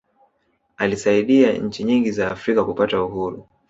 aliisaidia nchi nyingi za afrika kupata uhuru